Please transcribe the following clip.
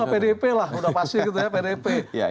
sama pdp lah udah pasti gitu ya pdp